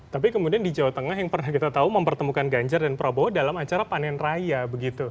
tapi kemudian di jawa tengah yang pernah kita tahu mempertemukan ganjar dan prabowo dalam acara panen raya begitu